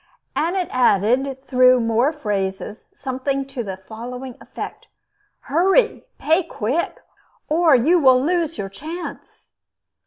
And it added, though with more phrases, something to the following effect: Hurry! Pay quick! Or you will lose your chance!